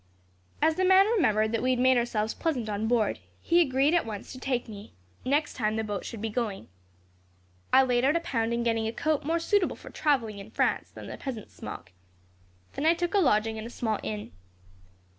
"As the man remembered that we had made ourselves pleasant on board, he agreed at once to take me, next time the boat should be going. I laid out a pound in getting a coat more suitable for travelling in France than the peasant's smock. Then I took a lodging in a small inn.